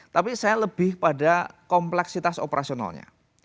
tapi saya lebih pada kompleksitas operasionalnya